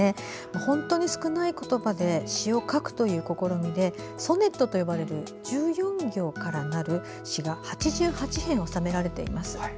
本当に少ない言葉で詩を書くという試みでソネットと呼ばれる１４行からなる詩が８８編収められています。